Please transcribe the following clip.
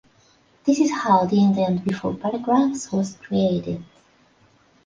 This is how the indent before paragraphs was created.